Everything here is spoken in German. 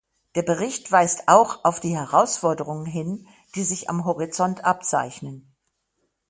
Der Bericht weist auch auf die Herausforderungen hin, die sich am Horizont abzeichnen.